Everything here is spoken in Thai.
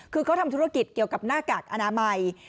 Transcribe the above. คือเขาทำธุรกิจเกี่ยวกับหน้ากากอนามัย